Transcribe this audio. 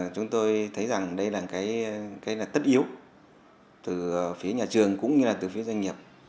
chúng tôi thấy rằng đây là cái tất yếu từ phía nhà trường cũng như là từ phía doanh nghiệp